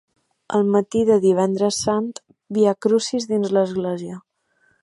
Al matí del Divendres Sant, Viacrucis dins l'Església.